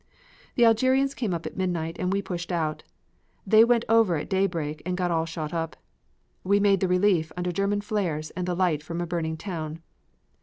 The Algerians came up at midnight and we pushed out. They went over at daybreak and got all shot up. We made the relief under German flares and the light from a burning town.